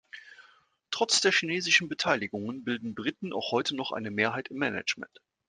Trotz der chinesischen Beteiligungen bilden Briten auch heute noch eine Mehrheit im Management.